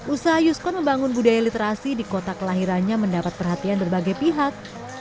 usaha yuskon membangun budaya literasi di kota kelahirannya mendapat perhatian berbagai pihak